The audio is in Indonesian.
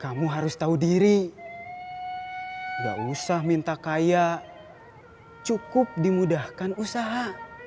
kamu harus tahu diri gak usah minta kaya cukup dimudahkan usaha